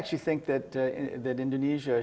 saya pikir bahwa indonesia